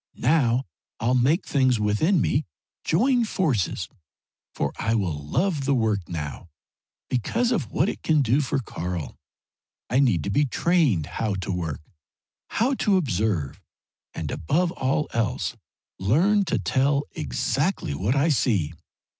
Now I'll make things within me join forces, for I will love the work now, because of what it can do for Karl. I need to be trained how to work, how to observe, and above all else learn to tell exactly what I see.